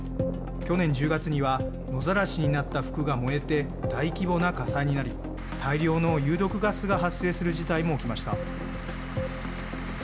去年１０月には野ざらしになった服が燃えて大規模な火災になり大量の有毒ガスが発生する事態も起きました。